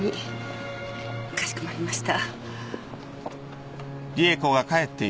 かしこまりました。